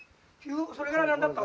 それから何だった？